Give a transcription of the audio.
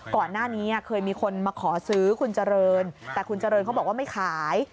ก่อนหน้านี้เคยมีคนมาขอซื้อคุณเจริญแต่คุณเจริญเขาบอกว่าไม่ขาย